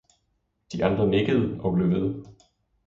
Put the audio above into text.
De andre nikkede og blev ved.